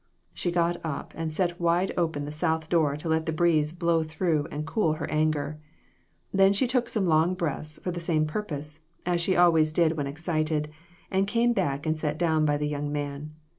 She got up and set wide open the south door to let the breeze blow through and cool her anger. Then she took some long breaths for the same purpose, as she always did when excited, and came back and sat down by the young man.